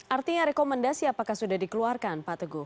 artinya rekomendasi apakah sudah dikeluarkan pak teguh